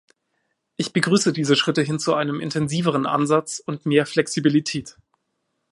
Ich begrüße diese Schritte hin zu einem intensiveren Ansatz und mehr Flexibilität.